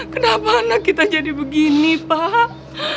kenapa anak kita jadi begini pak